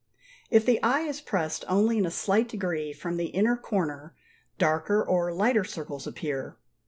If the eye is pressed only in a slight degree from the inner corner, darker or lighter circles appear.